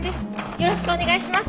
よろしくお願いします！